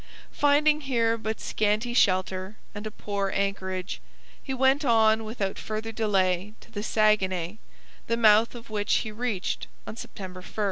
Finding here but scanty shelter and a poor anchorage, he went on without further delay to the Saguenay, the mouth of which he reached on September 1.